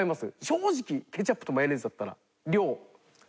正直ケチャップとマヨネーズだったら。